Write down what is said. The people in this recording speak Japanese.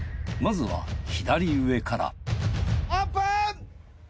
まずは左上からオープン！